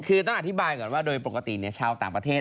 คือต้องอธิบายก่อนว่าโดยปกติชาวต่างประเทศ